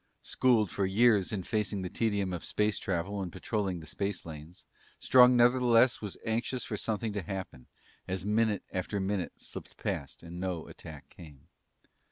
Schooled for years in facing the tedium of space travel and patrolling the space lanes, Strong nevertheless was anxious for something to happen, as minute after minute slipped past and no attack came.